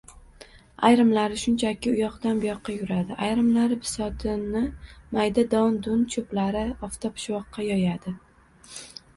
Ayrimlari shunchaki uyoqdan-buyoqqa yuradi, ayrimlari bisotini – mayda don-dun, choʻplarni oftobshuvoqqa yoyadi.